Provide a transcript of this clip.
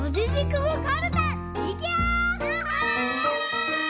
はい！